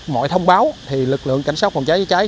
mọi thông báo thì lực lượng cảnh sát phòng cháy chữa cháy